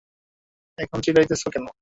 এখন চিল্লাইতেছো কেন?